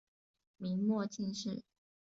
明末进士。